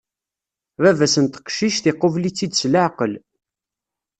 Baba-s n teqcict, iqubel-itt-id s leɛqel.